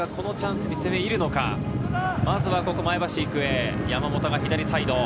まずは前橋育英・山本が左サイド。